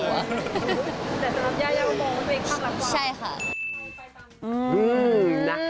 แต่สำหรับย่าย่าก็บอกว่าเขาคลั่งรักกว่า